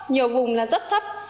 nhiều vùng là rất thấp